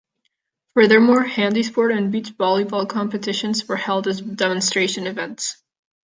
Furthermore, handisport and beach volleyball competitions were held as demonstration events.